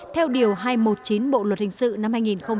theo điều hai trăm một mươi chín bộ luật hình sự năm hai nghìn một mươi năm